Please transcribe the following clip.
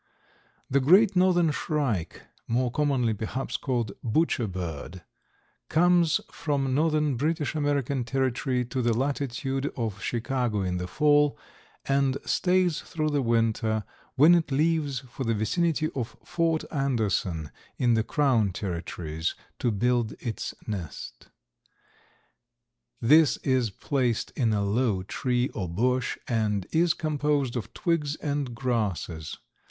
The Great Northern Shrike, more commonly perhaps called Butcher Bird, comes from northern British American territory to the latitude of Chicago in the fall and stays through the winter, when it leaves for the vicinity of Fort Anderson in the crown territories, to build its nest. This is placed in a low tree or bush and is composed of twigs and grasses.